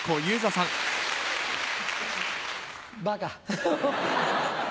バカ。